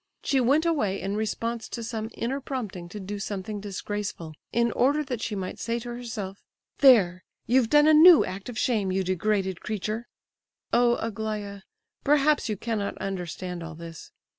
She went away in response to some inner prompting to do something disgraceful, in order that she might say to herself—'There—you've done a new act of shame—you degraded creature!' "Oh, Aglaya—perhaps you cannot understand all this.